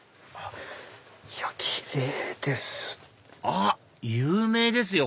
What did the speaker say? あっ有名ですよ！